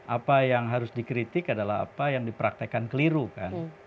apa yang harus dikritik adalah apa yang dipraktekan keliru kan